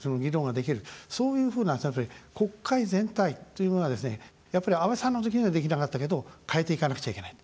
そういうふうな国会全体というのがやっぱり、安倍さんのときにはできなかったけど変えていかなくちゃいけない。